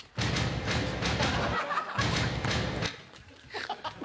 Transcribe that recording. アハハハ！